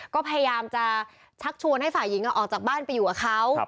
ก็พยายามจะชักชวนให้ฝ่ายหญิงออกจากบ้านไปอยู่กับเขา